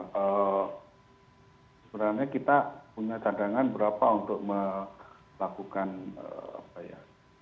sebenarnya kita punya cadangan berapa untuk melakukan apa ya